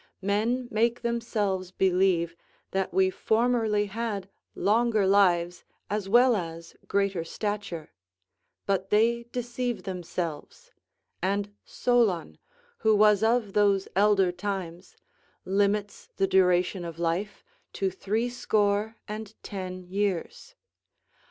Men make themselves believe that we formerly had longer lives as well as greater stature. But they deceive themselves; and Solon, who was of those elder times, limits the duration of life to threescore and ten years.